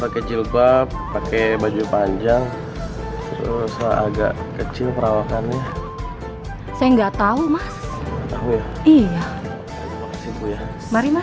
pakai jilbab pakai baju panjang terus agak kecil perawakannya saya nggak tahu mas iya